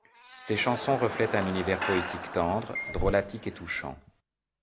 Ses chansons reflètent un univers poétique tendre, drolatique et touchant.